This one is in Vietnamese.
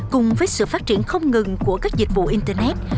cùng với sự phát triển không ngừng của các dịch vụ internet